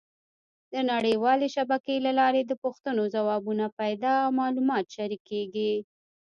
د نړیوالې شبکې له لارې د پوښتنو ځوابونه پیدا او معلومات شریکېږي.